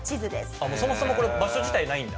あっそもそもこれ場所自体ないんだ。